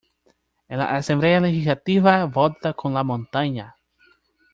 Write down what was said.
En la Asamblea legislativa, vota con "la Montaña".